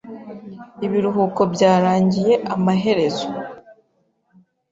Ibiruhuko byarangiye amaherezo.